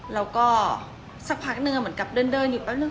แล้วก็สักพักหนึ่งเหมือนกับเดินอยู่แป๊บนึ